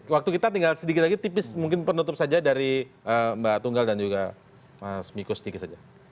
waktu kita tinggal sedikit lagi tipis mungkin penutup saja dari mbak tunggal dan juga mas miko sedikit saja